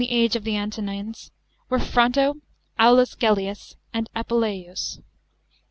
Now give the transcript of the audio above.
age of the Antonines were Fronto, Aulus Grellius, and Apuleius.